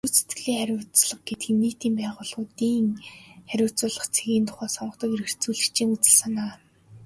Гүйцэтгэлийн хариуцлага гэдэг нь нийтийн байгууллагуудын харьцуулах цэгийн тухай сонгодог эргэцүүлэгчдийн үзэл санаа.